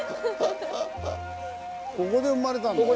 ここで生まれたんだね。